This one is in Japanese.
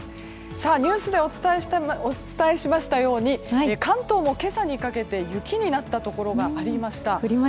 ニュースでお伝えしましたように関東も今朝にかけて雪になったところがありました。